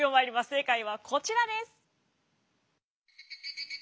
正解はこちらです。